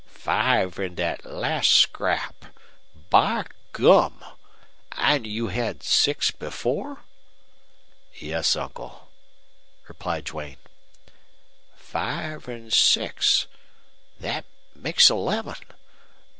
"Five in that last scrap! By gum! And you had six before?" "Yes, uncle," replied Duane. "Five and six. That makes eleven.